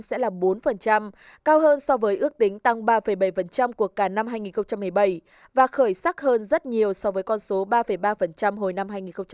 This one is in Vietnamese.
sẽ là bốn cao hơn so với ước tính tăng ba bảy của cả năm hai nghìn một mươi bảy và khởi sắc hơn rất nhiều so với con số ba ba hồi năm hai nghìn một mươi bảy